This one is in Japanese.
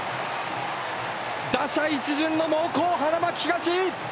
打者一巡の猛攻、花巻東。